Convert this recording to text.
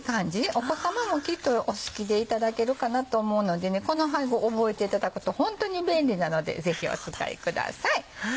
お子さまもきっとお好きでいただけるかなと思うのでこの配合覚えていただくとホントに便利なのでぜひお使いください。